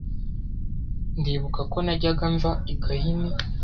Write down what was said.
Ndibuka ko najyaga mva i Gahini